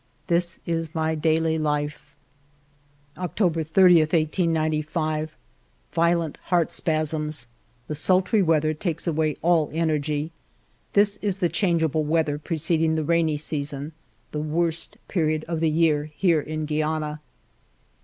This is my daily life. October 30, 1895. Violent heart spasms. The sultry weather takes away all energy. ALFRED DREYFUS 175 This is the changeable weather preceding the rainy season, the worst period of the year here in Guiana.